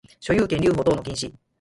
所有権留保等の禁止